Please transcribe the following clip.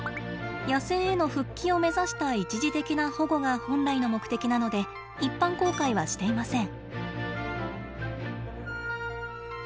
野生への復帰を目指した一時的な保護が本来の目的なので一般公開はしていません。